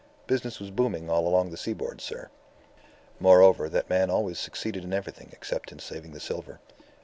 Business was booming all along this seaboard, sir. Moreover, that man always succeeded in everything except in saving the silver.